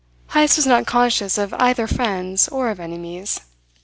Heyst was not conscious of either friends or of enemies.